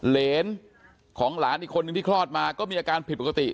เหรนของหลานอีกคนนึงที่คลอดมาก็มีอาการผิดปกติ